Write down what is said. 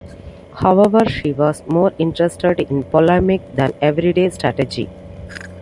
However she was more interested in polemic than everyday strategy.